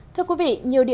thưa quý vị